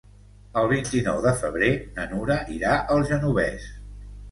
El vint-i-nou de febrer na Nura irà al Genovés.